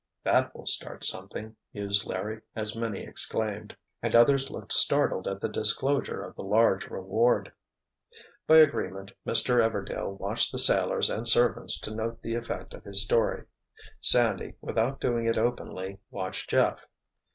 "That will start something!" mused Larry as many exclaimed, and others looked startled at the disclosure of the large reward. By agreement Mr. Everdail watched the sailors and servants to note the effect of his story. Sandy, without doing it openly, watched Jeff.